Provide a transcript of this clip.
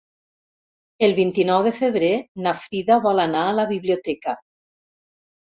El vint-i-nou de febrer na Frida vol anar a la biblioteca.